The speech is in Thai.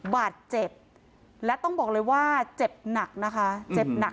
บาดเจ็บและต้องบอกเลยว่าเจ็บหนักนะคะเจ็บหนัก